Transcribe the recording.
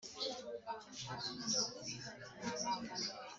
icyampa ibyo birori bigataha